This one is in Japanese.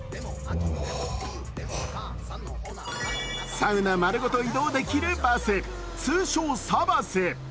サウナ丸ごと移動できるバス、通称・サバス。